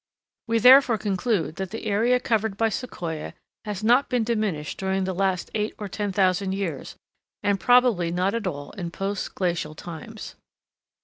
We therefore conclude that the area covered by Sequoia has not been diminished during the last eight or ten thousand years, and probably not at all in post glacial times.